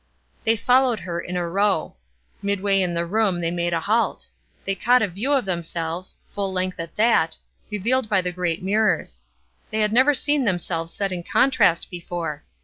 They followed her in a row. Midway in the room they made a halt. They caught a view of themselves full length at that revealed by the great mirrors. They had never seen themselves set in contrast before.